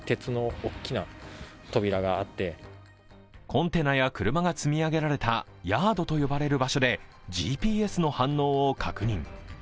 コンテナや車が積み上げられたヤードと呼ばれる場所でＧＰＳの反応を確認。